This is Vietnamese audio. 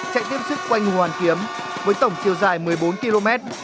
chạy tiếp sức quanh hồ hoàn kiếm với tổng chiều dài một mươi bốn km